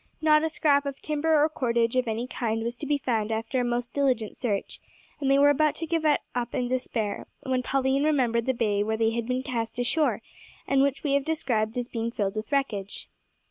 Not a scrap of timber or cordage of any kind was to be found after a most diligent search, and they were about to give it up in despair, when Pauline remembered the bay where they had been cast ashore, and which we have described as being filled with wreckage.